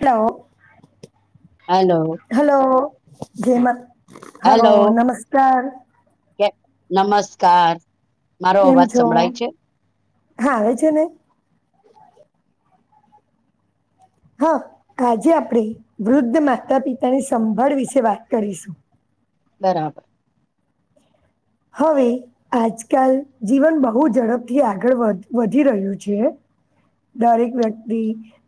Hello. Hello. Hello જયમત hello hello નમસ્કાર. કે નમસ્કાર. મારો કેમ અવાજ છો સંભળાય છે હા આવે છે ને હા આજે આપણેે વૃદ્ધ માતા પિતાની સંભાળ વિશે વાત કરીશું. બરાબર. હવે આજકાલ જીવન બહુ ઝડપથી આગળ વ વધી રહ્યું છે. દરેક વ્યક્તિ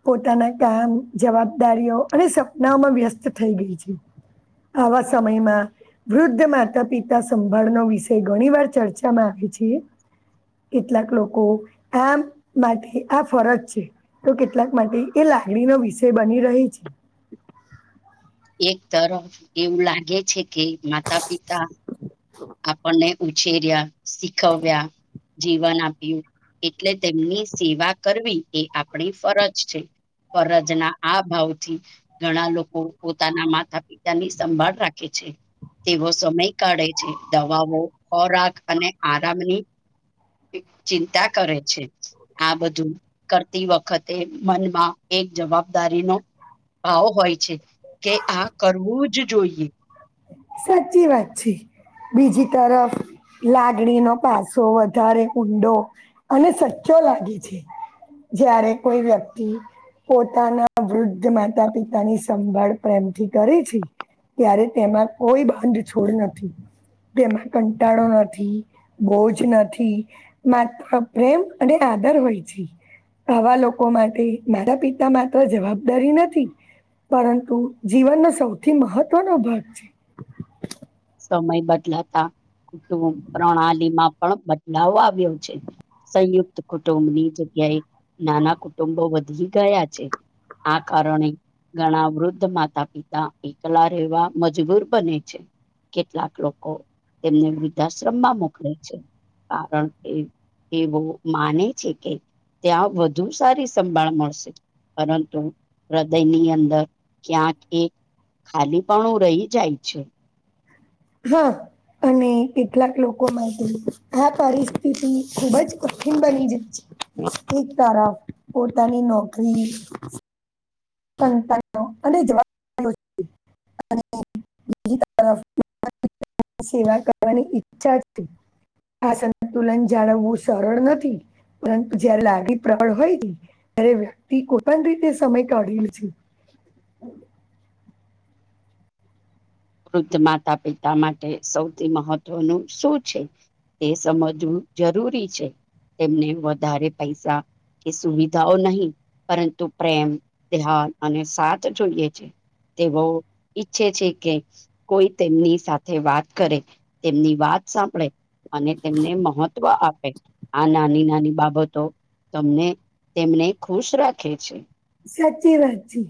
પોતાના કામ જવાબદારીઓ અને સપનાઓમાં વ્યસ્ત થઈ ગઈ છે. આવા સમયમાં વૃદ્ધ માતા પિતા સંભાળનો વિષ ઘણી વાર ચર્ચામાં આવે છે. કેટલાક લોકો કામ માટે આ ફરજ છે તો કેટલાક માટે એ લાગણીનો વિષય બની રહી છે. એક તરફ એવું લાગે છે કે માતા પિતા [inaudible] આપણને ઉછેર્યા શીખવ્યા જીવન આપ્યું એટલે તેમની સેવા કરવી એ આપણી ફરજ છે. ફરજના આ ભાવથી ઘણા લોકો પોતાના માતા પિતા ની સંભાળ રાખે છે. તેવો સમય કાઢે છે દવાઓ ખોરાક અને આરામની ચિંતા કરે છે. આ બધું કરતી વખતે મનમાં એક જવાબદારી નો ભાવ હોય છે કે આ કરવું જ જોઈએ. સાચી વાત છે. બીજી તરફ લાગણી નો પાછો વધારે ઊંડો અને સચ્ચો લાગે છે જ્યારે કોઈ વ્યક્તિ પોતાના વૃદ્ધ માતા પિતાની સંભાળ પ્રેમથી કરી છે. ત્યારે તેમાં કોઈ બંધ છોડ નથી. તેમાં કંટાળો નથી બોજ નથી. મહાત્મા પ્રેમ અને આદર હોય છે. આવા લોકો માટે માતા પિતા માત્ર જવાબદારી નથી. પરંતુ જીવનનો સૌથી મહત્વનો ભાગ છે. સમય બદલાતા કુટુંબ પ્રણાલી માં પણ બદલાવ આવ્યો છે. સંયુક્ત કુટુંબની જગ્યાએ નાના કુટુંબો વધી ગયા છે. આ કારણે ઘણા વૃદ્ધ માતા પિતા એકલા રહેવા મજબૂર બને છે. કેટલાક લોકો તેમને વૃદ્ધાશ્રમ માં મોકલે છે કારણ કે એવો માને છે કે ત્યાં વધુ સારી સંભાળ મળશે. પરંતુ હૃદયની અંદર ક્યાંક એ ખાલી પાનું રહી જાય છે. હા. અને કેટલાક લોકો માટે આ પરિસ્થિતિ ખુબ જ કઠિન બની જાય છે. એક તરફ પોતાની નોકરી સંતાનો અને જવાબદારી અને બીજી તરફ [unintelligible] સેવા કરવાની ઈચ્છા છે. આ સંતુલન જાળવવું સરળ નથી. પરંતુ જયારે લાગણી પ્રબળ હોય ત્યારે વ્યક્તિ કોઈ પણ રીતે સમય કાઢેલ છે. વૃદ્ધ માતા પિતા માટે સૌથી મહત્વનું શું છે. તે સમજવું જરૂરી છે તેમને વધારે પૈસા એ સુવિધાઓ નહી પરંતુ પ્રેમ ધ્યાન અને સાથ જોઈએ છે. તે બહુ ઈચ્છે છે કે કોઈ તેમની સાથે વાત કરે તેમની વાત સાંભળે અને તેમને મહત્વ આપે. આ નાની નાની બાબતો તમને તેમને ખુશ રાખે છે. સાચી વાત છે.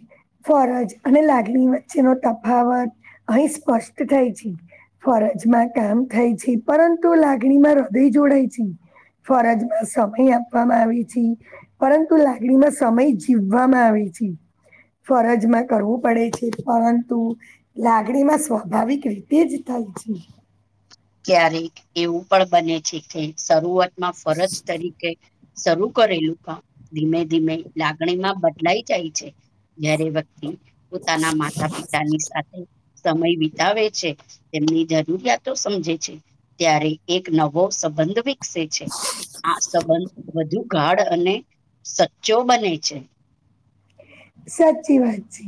ફરજ અને લાગણી વચ્ચેનો તફાવત અહીં સ્પષ્ટ થાય છે. ફરજમાં કામ થાય છે પરંતુ લાગણીમાં હૃદય જોડાય છે ફરજમાં સમય આપવામાં આવે છે પરંતુ લાગણીમાં સમય જીવ જીવવામાં આવે છે ફરજમાં કરવું પડે છે પરંતુ લાગણી માં સ્વાભાવિક રીતે જ થાય છે. ક્યારેક એવું પણ બને છે કે શરૂઆતમાં ફરજ તરીકે કે શરૂ કરેલું કામ ધીમે ધીમે લાગણીમાં બદલાઈ જાય છે. ઘારે વ્યક્તિ પોતાનામા માતા પિતાની સાથે સમય વિતાવે છે તેમની જરૂરિયાતો સમજે છે ત્યારે એક નવો સંબંધ વિકસે છે. આ સંબંધ વધુ ગાઢ અને સચ્ચો બને છે. સાચી વાત છે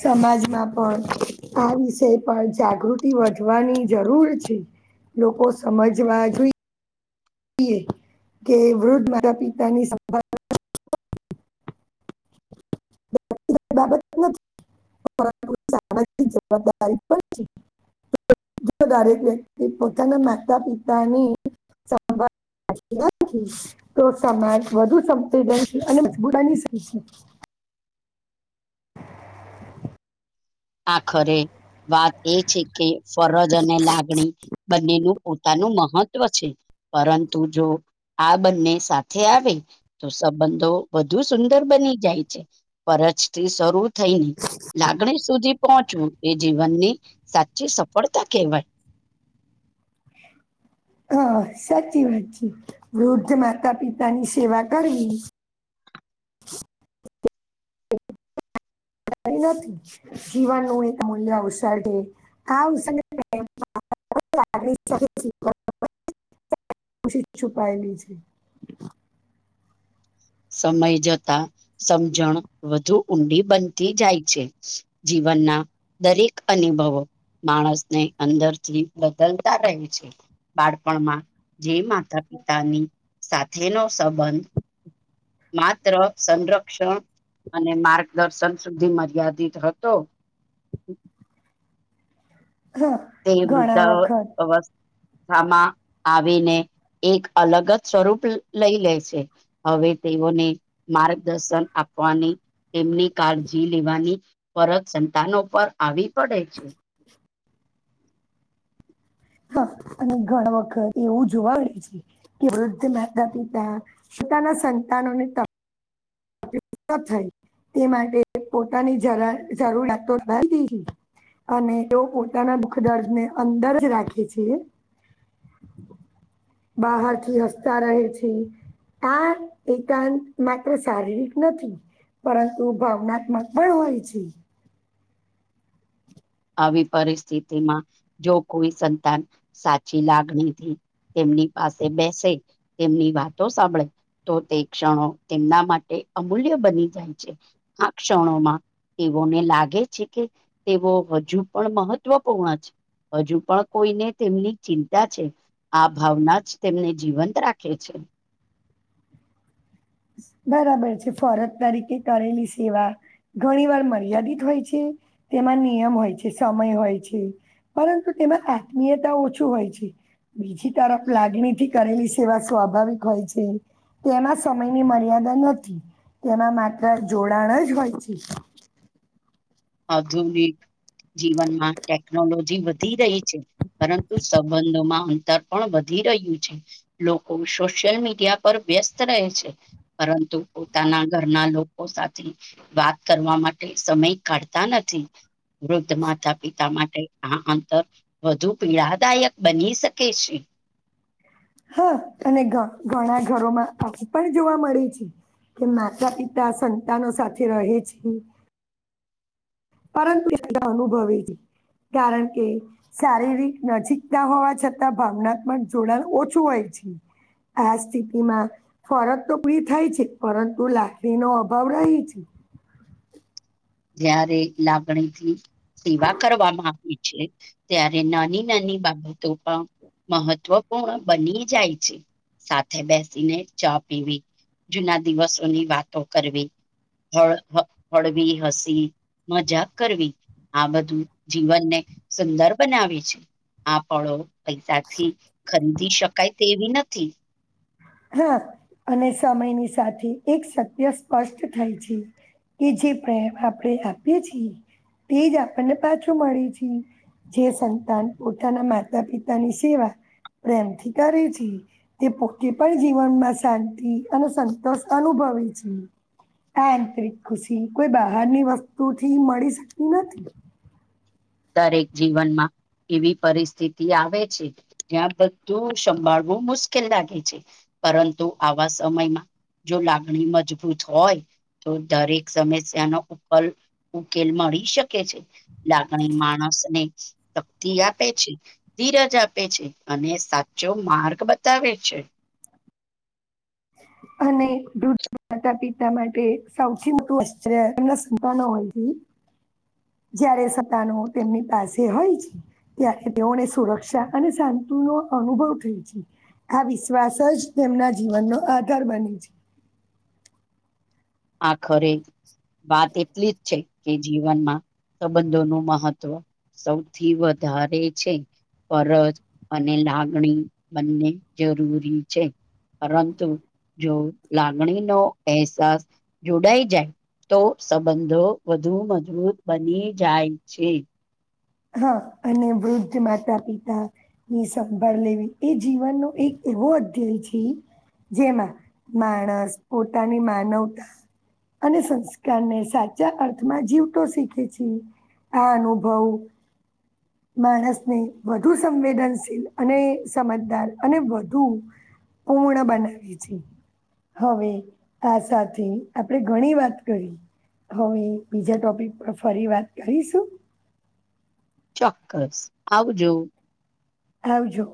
સમાજમાં પણ આ વિષય પણ જાગૃતિ વધવાની જરૂર છે લોકો સમજવા જોઈએ. કે વૃ્ધ માતા પિતાની સંભાળ નથી જવાબદારી પણ છે. જો દરેક વ્યક્તિ પોતાના માતા પિતાની સંભાળ તો સમાજ વધુ સંદનશીલ અને મજબૂતાની આખરે વાત એ છે કે ફરજ અને લાગણી બંનેનું પોતાનું મહત્વ છે પરંતુ જો આ બંને સાથે આવે તો સંબંધો વધુ સુંદર બની જાય છે ફરજથી શરૂ થઈને લાગણી સુધી પહોંચવું એ જીવનની સાચી સફળતા કહેવાય. [inaudible] હ સાચી વાત છે વૃદ્ધ માતા પિતાની સેવા કરવી. નથી જીવનનું એક મૂલ્ય અવસરે આ ખુશી છુપાયેલી છે. સમય જતા સમજણ વધુ ઊંડી બનતી જાય છે જીવનના દરેક અનુભવો માણસને અંદરથી બદલતા રહે છે. બાળપણમાં જે માતા પિતાની સાથેનો સંબંધ માત્ર સંરક્ષણ અને માર્ગદર્શન સુધી મર્યાદિત હતો. હા તે ઘણા વૃદ્ધા વખત અવસ્થા અવસ્થામાં આવીને એક અલગ જ સ્વરૂપ લઈ લે છે. હવે તેઓને માર્ગદર્શન આપવાની. તેમની કાળજી લેવાની ફરત સંતાનો પર આવી પડે છે. અને ઘણ વખત એવું જોવા મળે છે. કે વૃદ્ધ માતા પિતા પોતાના સંતાનોને થાય તે માટે પોતાની જરૂરતો અને એઓ પોતાના દુઃખ દર્દ ને અંદર જ રાખે છીએ. [inaudible] બહારથી હસતા રહે છે આ એકાંત માત્ર સારી નથી પરંતુ ભાવનાત્મક પણ હોય છે. આવી પરિસ્થિતિમાં જો કોઈ સંતાન સાચી લાગણી થી તેમની પાસે બેસે તેમની વાતો સાંભળે તો તે ક્ષણો તેમના માટે અમૂલ્ય બની જાય છે. આ ક્ષણોમાં તેઓને લાગે છે કે તેઓ હજુ પણ મહત્વપૂર્ણ છે હજુ પણ કોઈને તેમની ચિંતા છે. આ ભાવના જ તેમને જીવંત રાખે છે. બરાબર છે ફરજ તરીકે કરેલી સેવા ઘણી વાર મર્યાદિત હોય છે તેમાં નિયમ હોય છે સમય હોય છે. પરંતુ તેમાં આત્મીયતા ઓછું હોય છે. બીજી તરફ લાગણીથી કરેલી સેવા સ્વાભાવિક હોય છે તેના સમયની મર મર્યાદા નથી તેમાં માત્ર જોડાણ જ હોય છે. આધુનિક જીવનમાં ટેકનોલોજી વધી રહી છે. પરંતુ સંબંધોમાં અંતર પણ વધી રહ્યું છે. લોકો સોશિયલ મીડિયા પર વ્યસ્ત રહે છે. પરંતુ પોતાના ઘરના લોકો સાથે વાત કરવા માટે સમય કરતા નથી વૃદ્ધ માતા પિતા માટે આ અંતર વધુ પીડાદાયક બની શકે છે. હા અને ઘણા ઘરોમાં આવું પણ જોવા મળે છે. કે માતા પિતા સંતાનો સાથે રહે છે. પરંતુ એના અનુભવે જ કારણ કે શારીરિક નજીક ના હોવા છતાં ભાવનાત્મક જોડાણ ઓછું હોય છે. આ સ્થિતિમાં ફરજ તો બી થાય છે પરંતુ લાકડીનો અભાવ રહી છે. જયારે લાગણી થી સેવા કરવામાં આવી ત્યારે નાની નાની બાબતો પણ મહત્વપૂર્ણ બની જાય છે. સાથે બેસીને ચા પીવી જૂના દિવસોની વાતો કરવી હળ હ હળવીી હસ મજાક કરવી આ બધું જીવનને સુંદર બનાવે છે. આ ફળો પૈસાથી ખરીદી શકાય તેવી નથી હા અને સમયની સાથે એક સત્ય સ્પષ્ટ થાય છે. એ જે પ્રેમ આપણેે આપીએ છીએ તેજ આપણને પાછું મળે છે. જે સંતાન પોતાના માતા પિતા ની સેવા પ્રેમ કરે છે તે પોતે પણ જીવનમાં શાંતિ અને સંતોષ અનુભવે છે. આ આંતરિક ખુશી કોઈ બહારની વસ્તુ થી મળી શકતી નથી દરેક જીવનમાં એવી પરિસ્થિતિ આવે છે જ્યાં બધું સંભાળવું મુશ્કેલ લાગે છે. પરંતુ આવા સમયમાં જો લાગણી મજબૂત હોય તો દરેક સમસ્યાનોો ઉકેલ ઉકેલ મળી શકે છે. અને માણસ ને શક્તિ આપે છે. ધીરજ આપે છે અને સાચો માર્ગ બતાવે છે. અને દુ માતા પિતા માટે સૌથી મોટું આશ્ચર્ય એમના સંતાનો હોય છે. જયારે સંતાનો તેમની પાસે હોય છે. ત્યારે તેઓને સુરક્ષા અને શાંતિનો અનુભવ થાય છે. આ વિશ્વાસ જ તેમના જીવનનો આધાર બને છે. આખરે વાત એટલી જ છે કે જીવનમાં સંબંધોનું મહત્વ સૌથી વધારે છે. ફરજ અને લાગણી બંને જરૂરી છે. પરંતુ જો લાગણીનો અહેસાસ. જોડાઈ જાય તો સંબંધો વધુ મજબૂત બની જાય છે. હા અને વૃદ્ધ માતા પિતા. ની સંભાળ લેવી એ જીવનનો એક એવો અધ્યાય છે. જેમાં માણસ પોતાની માનવતા. અને સંસ્કારને સાચા અર્થમાં જીવતો શીખે છે. આ અનુભવ. માણસને વધુ સંવેદનશીલ અને સમજદાર અને વધુ. પૂર્ણ બનાવીએ છીએ. હવે આ સાથે આપણે ઘણી વાત કરી. હવે બીજા ટોપિક પર ફરી વાત કરીશું. ચોક્કસ આવજો. આવજો.